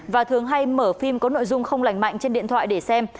và thường hay mở phim có nội dung không lành mạnh trên điện thoại để xem